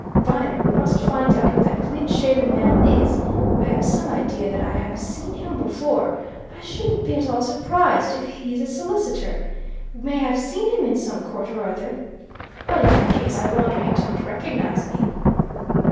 Viner, we must find out who that clean shaven man is. I have some idea that I have seen him before I shouldn't be at all surprised if he's a solicitor, may have seen him in some court or other. But in that case I wonder he didn't recognize me."